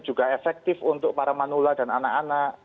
juga efektif untuk para manula dan anak anak